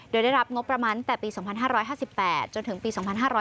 โดยได้รับงบประมาณแต่ปี๒๕๕๘จนถึงปี๒๕๕๙